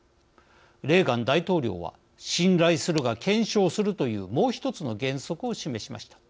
レーガン大統領は「信頼するが検証する」というもう１つの原則を示しました。